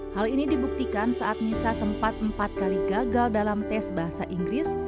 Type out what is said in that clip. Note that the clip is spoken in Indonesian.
hal ini dibuktikan saat nisa sempat empat kali gagal dalam tes bahasa inggris